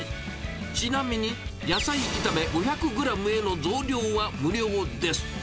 ちなみに、野菜炒め５００グラムへの増量は無料です。